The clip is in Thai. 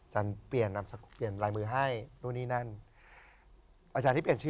ชื่อยอมตอนแรก